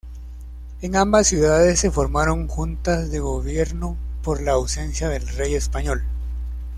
En ambas ciudades se formaron juntas de gobierno por la ausencia del rey español.